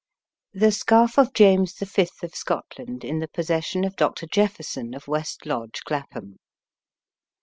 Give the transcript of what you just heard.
THE SCARF OF JAMES THE FIFTH OF SCOTLAND, IN THE POSSESSION OF DR. JEFFERSON, OF WEST LODGE, CLAPHAM.